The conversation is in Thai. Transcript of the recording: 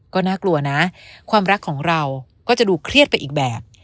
ก็น่ากลัวนะความรักของเราก็จะดูเครียดไปอีกแบบ